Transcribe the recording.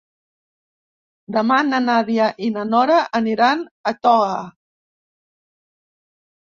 Demà na Nàdia i na Nora aniran a Toga.